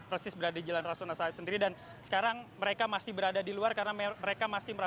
presis berada di jalan rasul nasional sendiri dan sekarang mereka masih berada di luar karena mereka masih